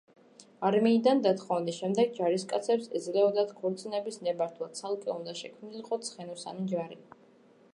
არმიიდან დათხოვნის შემდეგ ჯარისკაცებს ეძლეოდათ ქორწინების ნებართვა, ცალკე უნდა შექმნილიყო ცხენოსანი ჯარი.